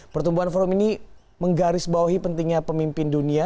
pertumbuhan forum ini menggaris bawahi pentingnya pemimpin dunia